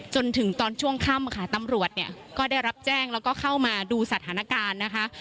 จนถึงตอนช่วงค่ำค่ะตำรวจเนี่ยก็ได้รับแจ้งแล้วก็เข้ามาดูสถานการณ์นะคะ